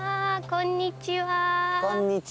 こんにちは。